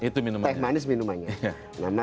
teh manis minumannya